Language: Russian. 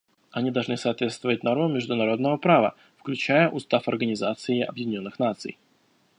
Они должны соответствовать нормам международного права, включая Устав Организации Объединенных Наций.